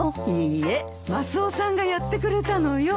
いいえマスオさんがやってくれたのよ。